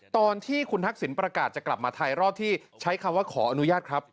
ตอนที่คุณทักษิณประกาศจะกลับมาไทยรอบที่ใช้คำว่าขออนุญาตครับ